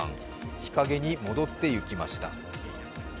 日陰に戻っていきました。